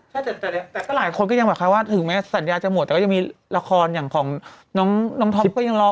แต่ก็หลายคนก็ยังแบบคล้ายว่าถึงแม้สัญญาจะหมดแต่ก็ยังมีละครอย่างของน้องท็อปก็ยังรอ